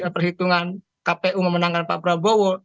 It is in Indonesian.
perhitungan kpu memenangkan pak prabowo